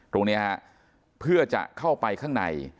ตรงนี้ฮะเพื่อจะเข้าไปข้างใน